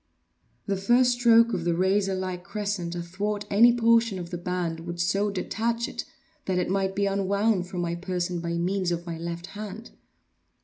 The first stroke of the razorlike crescent athwart any portion of the band, would so detach it that it might be unwound from my person by means of my left hand.